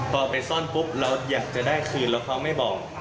ก็ไปซ่อนปุ๊บแล้วอยากจะได้คืนแล้วไม่บอก